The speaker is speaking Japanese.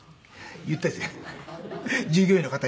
言ったんです従業員の方に。